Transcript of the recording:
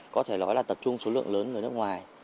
có thể nói là tập trung số lượng lớn người nước ngoài